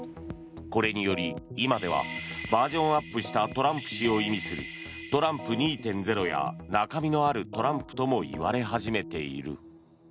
これにより、今ではバージョンアップしたトランプ氏を意味するトランプ２．０や中身のあるトランプとも言われ始めている。